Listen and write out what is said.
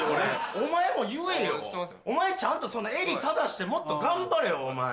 お前も言えよお前ちゃんと襟正してもっと頑張れよお前。